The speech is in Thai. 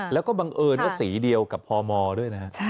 แล้วก็บังเอิญว่าสีเดียวกับพมด้วยนะฮะ